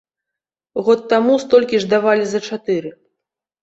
Год таму столькі ж давалі за чатыры.